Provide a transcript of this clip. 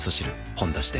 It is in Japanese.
「ほんだし」で